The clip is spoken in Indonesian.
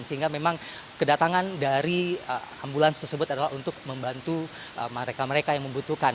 sehingga memang kedatangan dari ambulans tersebut adalah untuk membantu mereka mereka yang membutuhkan